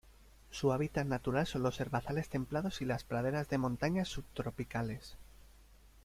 Su hábitat natural son los herbazales templados y las praderas de montaña subtropicales.